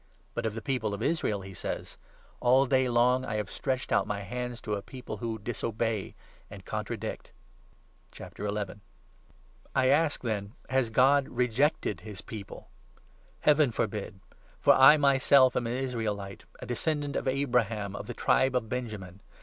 But of the people of Israel he says — 21 4 All day long I have stretched out my hands to a people who disobey and contradict.' The merciful I ask, then, ' Has God rejected his People ?' i Pt|»rae*Jn Heaven forbid ! For I myself am an Israelite, a Rejection, descendant of Abraham, of the tribe of Benjamin.